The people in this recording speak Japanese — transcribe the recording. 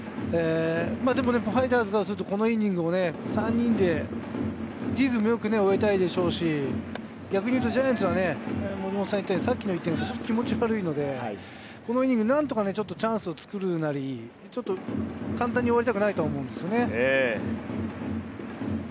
ファイターズからすると、このイニングを３人で、リズム良く終えたいでしょうし、逆にいうとジャイアンツは、さっきの１点がちょっと気持ち悪いので、このイニングで何とかちょっとチャンスを作るなり、簡単に終わりたくないと思うんですよね。